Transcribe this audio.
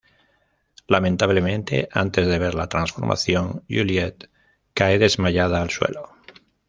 Lamentablemente antes de ver la transformación Juliette cae desmayada al suelo.